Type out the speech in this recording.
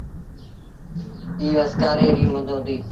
ايٚ وسڪآري ريٚ مند هُݩديٚ۔